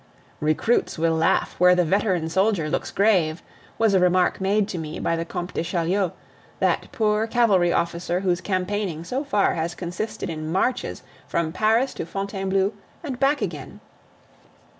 "Recruits will laugh where the veteran soldier looks grave," was a remark made to me by the Comte de Chaulieu, that poor cavalry officer whose campaigning so far has consisted in marches from Paris to Fontainebleau and back again.